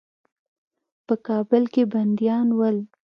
په کابل کې بندیان ول.